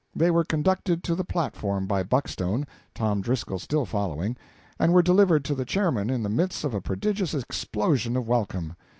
They were conducted to the platform by Buckstone Tom Driscoll still following and were delivered to the chairman in the midst of a prodigious explosion of welcome.